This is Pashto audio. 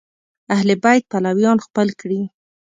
اهل بیت پلویان خپل کړي